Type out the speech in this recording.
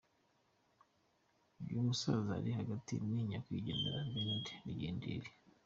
Uyu musaza uri hagati ni Nyakwigendera Bernard Rugindiri.